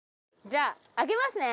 じゃあ開けますね。